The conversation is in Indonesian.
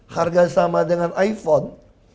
harga sama dengan iphone